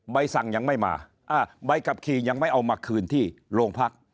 ใบสั่งยังไม่มาใบขับขี่ยังไม่เอามาคืนที่โรงพัก